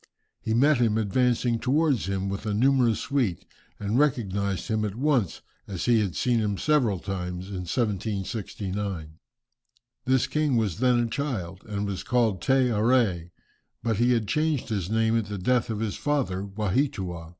He met him advancing towards him with a numerous suite, and recognized him at once as he had seen him several times in 1769. This king was then a child, and was called Te Arée, but he had changed his name at the death of his father Waheatua.